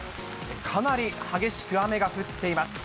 かなり激しく雨が降っています。